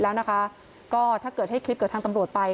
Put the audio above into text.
เสียชีวิตแล้วนะคะก็ถ้าเกิดให้คลิปเกี่ยวทางตำรวจไป